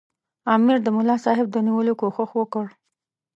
امیر د ملاصاحب د نیولو کوښښ وکړ.